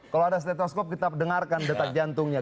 kalau ada stetoskop kita dengarkan detak jantungnya